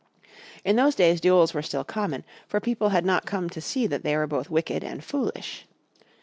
In those days, duels were still common, for people had not come to see that they were both wicked and foolish.